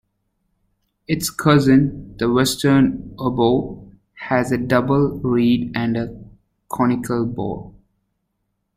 Its cousin, the Western oboe, has a double reed and a conical bore.